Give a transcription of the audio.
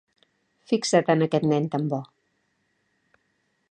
Fixa't en aquest nen tan bo.